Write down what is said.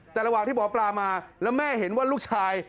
แต่ระหว่างที่หมอปลามาแล้วแม่เห็นว่าลูกชาย